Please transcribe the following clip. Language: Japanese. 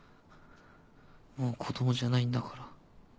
もう子供じゃないんだから。